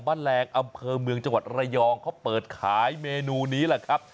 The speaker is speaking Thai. แรงอำเภอเมืองจังหวัดระยองเขาเปิดขายเมนูนี้แหละครับ